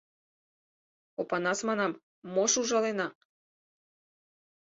— Опанас, — манам, — мош ужалена?